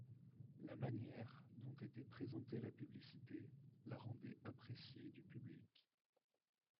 La manière, dont était présentée la publicité, la rendait appréciée du public.